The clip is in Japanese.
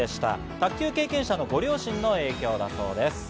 卓球経験者のご両親の影響だったそうです。